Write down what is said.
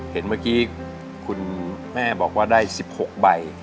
เห็นเมื่อกี้คุณแม่บอกว่าได้๑๖ใบ